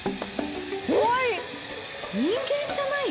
怖い。